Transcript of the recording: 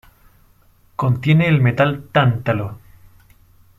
Contiene el metal "tántalo".